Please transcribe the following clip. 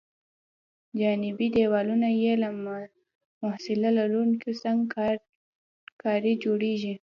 جانبي دیوالونه یې له مصالحه لرونکې سنګ کارۍ جوړیږي